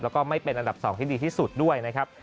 แล้วก็ไม่เป็นอันดับ๒ที่ดีที่สุดด้วยนะครับ